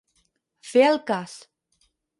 Fer al cas.